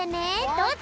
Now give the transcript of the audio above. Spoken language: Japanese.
どうぞ！